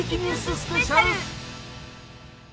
スペシャル。